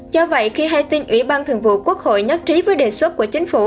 do vậy khi hai tin ủy ban thường vụ quốc hội nhất trí với đề xuất của chính phủ